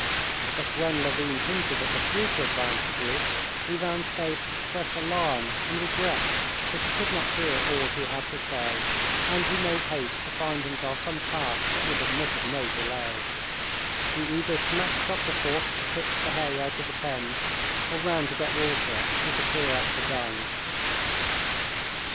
But when Levin hinted at the future advantages, Ivan's face expressed alarm and regret that he could not hear all he had to say, and he made haste to find himself some task that would admit of no delay: he either snatched up the fork to pitch the hay out of the pens, or ran to get water or to clear out the dung.